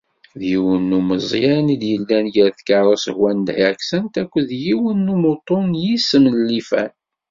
D yiwen n umyeẓdam i d-yellan gar tkerrust Hyundai Accent, akked yiwen n umuṭu s yisem n Lifan.